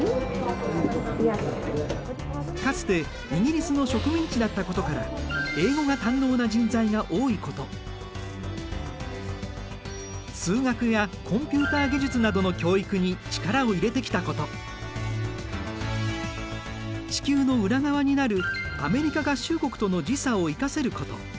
かつてイギリスの植民地だったことから数学やコンピューター技術などの地球の裏側になるアメリカ合衆国との時差を生かせること。